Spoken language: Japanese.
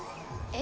え？